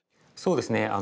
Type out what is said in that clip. そうですね。